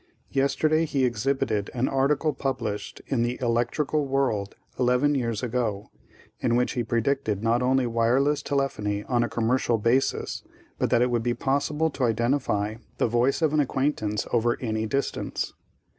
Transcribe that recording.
Yesterday he exhibited an article published in The Electrical World eleven years ago, in which he predicted not only wireless telephony on a commercial basis but that it would be possible to identify the voice of an acquaintance over any distance.